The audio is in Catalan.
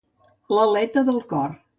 L'aleta del cor.